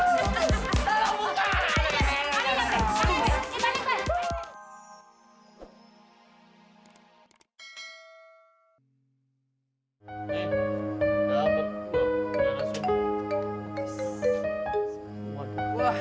sampai jumpa lagi